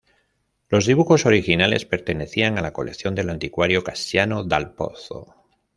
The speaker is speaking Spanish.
Los dibujos originales pertenecían a la colección del anticuario Cassiano dal Pozzo.